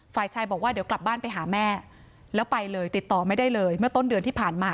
ฝ่ายชายบอกว่าเดี๋ยวกลับบ้านไปหาแม่แล้วไปเลยติดต่อไม่ได้เลยเมื่อต้นเดือนที่ผ่านมา